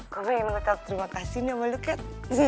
gue pengen ngecap terima kasih nih sama lo kat